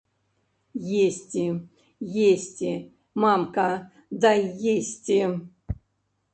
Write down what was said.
Есці, есці, мамка, дай есці!